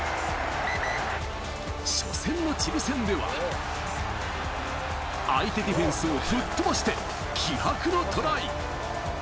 初戦のチリ戦では、相手ディフェンスを吹っ飛ばして気迫のトライ。